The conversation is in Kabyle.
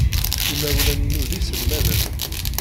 Imawlan-inu d iselmaden.